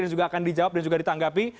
dan juga akan dijawab dan juga ditanggapi